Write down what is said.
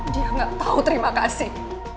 dia gak tau terima kasih